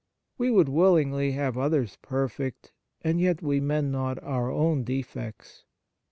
We would willingly have others perfect, and yet we mend not our own defects.